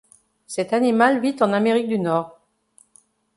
Cet animal vit en Amérique du Nord.